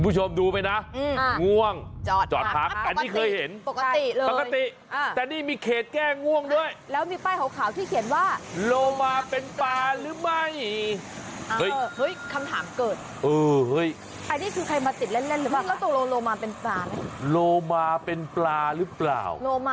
สนุนนั้นมีปลาโลมาก็เป็นปลาเปล่า